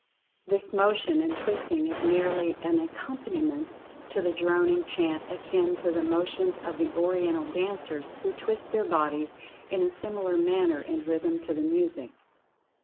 This motion and twisting is merely an accompaniment to the droning chant akin to the motions of the Oriental dancers who twist their bodies in a similar manner in rhythm to the music.